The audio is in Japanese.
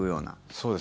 そうです。